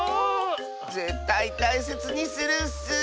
ぜったいたいせつにするッス！